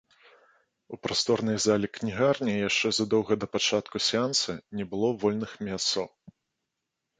У прасторнай залі кнігарні яшчэ задоўга да пачатку сеанса не было вольных месцаў.